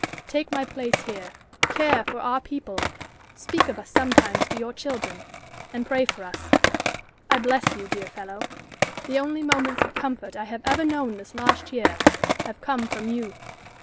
Take my place here, care for our people, speak of us sometimes to your children, and pray for us. I bless you, dear fellow. The only moments of comfort I have ever known this last year have come from you.